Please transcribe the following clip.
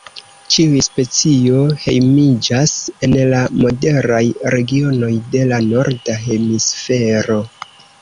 Ĉiuj specio hejmiĝas en la moderaj regionoj de la norda hemisfero.